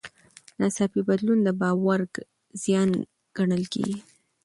ناڅاپي بدلون د باور زیان ګڼل کېږي.